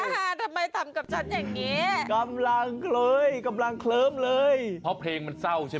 ฮ่าทำไมทำกับชั้นอย่างนี้กำลังเลยกำลังเคลิมเลยข้อเพลงเศร้าใช่